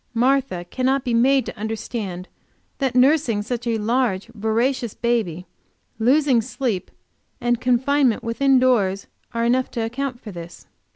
Martha cannot be made to understand that nursing such a large, voracious baby, losing sleep, and confinement within doors, are enough to account for this.